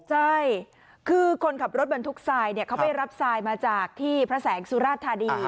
ใช่คือคนขับรถบรรทุกทรายเขาไปรับทรายมาจากที่พระแสงสุราชธานี